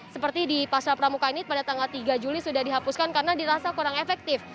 seperti di pasar pramuka ini pada tanggal tiga juli sudah dihapuskan karena dirasa kurang efektif